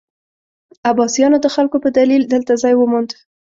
عباسیانو د خلکو په دلیل دلته ځای وموند.